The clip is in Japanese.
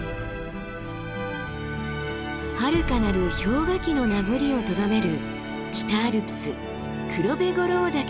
はるかなる氷河期の名残をとどめる北アルプス黒部五郎岳です。